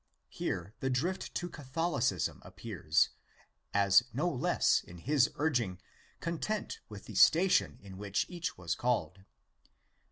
Here the drift to Catholicism appears ; as no less in his urging content with the station in which each was called (vii.